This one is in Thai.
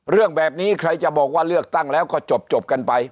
เรื่องแบบนี้ใครจะบอกว่าเลือกตั้งแล้วก็จบกันไป